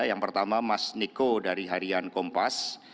yang pertama mas niko dari harian kompas